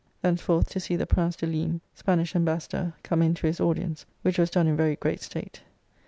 Thence forth to see the Prince de Ligne, Spanish Embassador, come in to his audience, which was done in very great state.